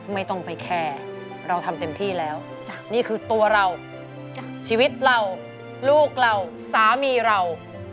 ไม่ต้องไปแคร์เราทำเต็มที่แล้วนี่คือตัวเราชีวิตเราลูกเราสามีเรา